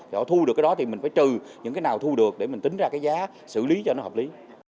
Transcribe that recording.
để họ thu được cái đó thì mình phải trừ những cái nào thu được để mình tính ra cái giá xử lý cho nó hợp lý